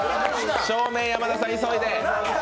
照明の山田さん、急いで！